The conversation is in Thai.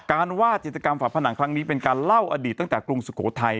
ว่าจิตกรรมฝาผนังครั้งนี้เป็นการเล่าอดีตตั้งแต่กรุงสุโขทัย